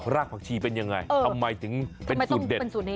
รากผักชีเป็นยังไงทำไมถึงเป็นสูตรเด็ด